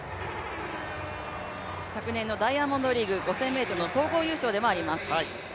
昨年のダイヤモンドリーグ５０００ｍの総合優勝でもあります。